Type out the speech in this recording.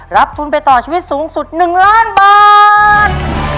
รับทุนไปต่อชีวิตสูงสุด๑ล้านบาท